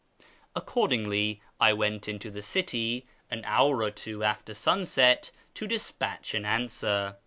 Accordingly, I went into the city an hour or two after sunrise to despatch an answer.